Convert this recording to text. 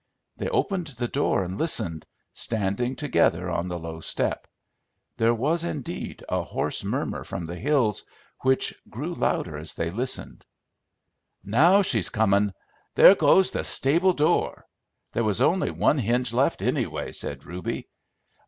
They opened the door and listened, standing together on the low step. There was, indeed, a hoarse murmur from the hills, which grew louder as they listened. "Now she's comin'! There goes the stable door. There was only one hinge left, anyway," said Reuby.